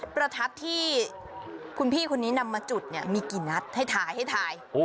ประทัดที่คุณพี่คนนี้นำมาจุดเนี่ยมีกี่นัดให้ถ่ายให้ถ่าย